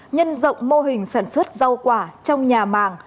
nhân rộng mô hình sản xuất rau quả trong nhà màng